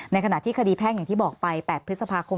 ในขณะที่คดีแพ่งอย่างที่บอกไป๘พฤษภาคม